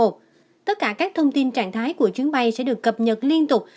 tất cả các thông tin trạng thái của chuyến bay sẽ được cập nhật liên tục